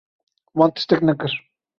Wan tiştek nekir.